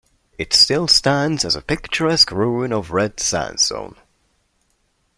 It still stands as a picturesque ruin of red sandstone.